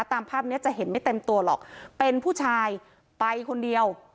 ตามภาพเนี้ยจะเห็นไม่เต็มตัวหรอกเป็นผู้ชายไปคนเดียว